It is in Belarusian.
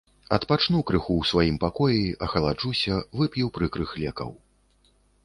Адпачну крыху ў сваім пакоі, ахаладжуся, вып'ю прыкрых лекаў.